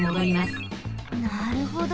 なるほど。